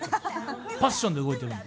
パッションで動いてるので。